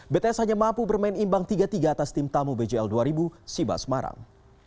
bts hanya mampu bermain imbang tiga tiga atas tim tamu bjl dua ribu siba semarang